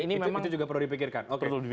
itu juga perlu dipikirkan